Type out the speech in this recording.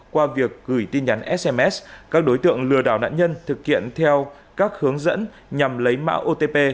qua việc gửi tin nhắn sms các đối tượng lừa đảo nạn nhân thực hiện theo các hướng dẫn nhằm lấy mạo otp